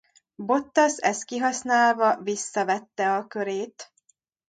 Bottas ezt kihasználva visszavette a körét.